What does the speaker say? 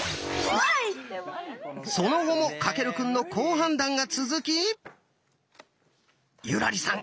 その後も翔くんの好判断が続き優良梨さん